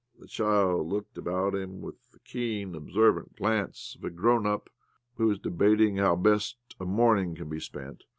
The child looked about him with the keen, observant glance of a " grown up " who is debating how best a morning can be spent.